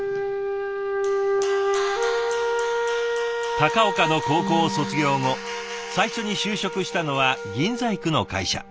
高岡の高校を卒業後最初に就職したのは銀細工の会社。